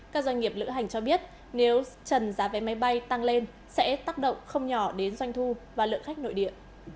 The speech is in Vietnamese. các doanh nghiệp lữ hành cho biết nếu trần giá vé máy bay tăng lên sẽ tác động không nhỏ đến doanh thu và lượng khách nội địa